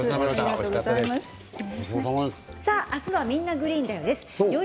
明日は「みんな！グリーンだよ」です。